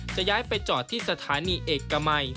จะย้ายไปจอดที่สถานีเอกมัย